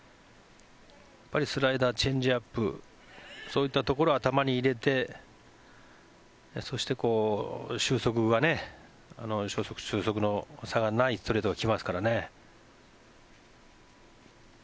やっぱりスライダーチェンジアップそういったところを頭に入れてそして初速、終速の差がないストレートが来ますからね。